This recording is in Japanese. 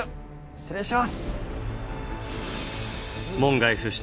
失礼します。